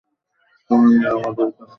তোমার মেয়ে আমাদের কাছে।